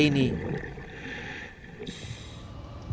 ministri kamarcial agwiseh gajwa mena gotika